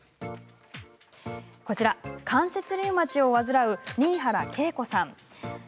こちら、関節リウマチを患う新原慶子さんです。